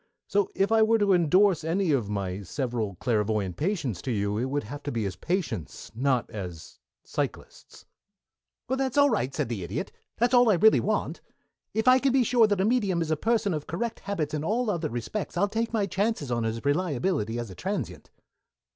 So if I were to indorse any one of my several clairvoyant patients for you, it would have to be as patients, and not as psychlists." "That's all right," said the Idiot. "That's all I really want. If I can be sure that a medium is a person of correct habits in all other respects, I'll take my chances on his reliability as a transient."